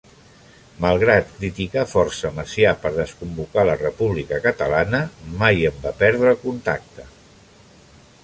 Malgrat criticar força Macià per desconvocar la República Catalana, mai en va perdre el contacte.